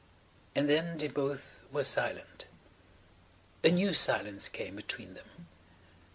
And then they both were silent. A new silence came between them.